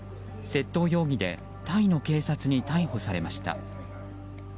窃盗容疑でタイの警察に逮捕されました。